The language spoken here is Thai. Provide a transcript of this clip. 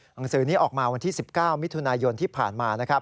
หนังสือนี้ออกมาวันที่๑๙มิถุนายนที่ผ่านมานะครับ